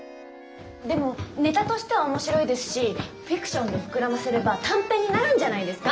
でもネタとしてはおもしろいですしフィクションで膨らませれば短編になるんじゃないですか？